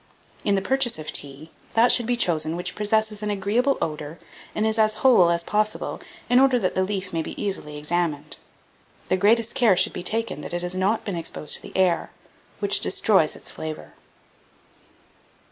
1798. In the purchase of tea, that should be chosen which possesses an agreeable odour and is as whole as possible, in order that the leaf may be easily examined. The greatest care should be taken that it has not been exposed to the air, which destroys its flavour.